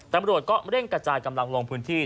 ตำรวจก็เร่งกระจายกำลังลงพื้นที่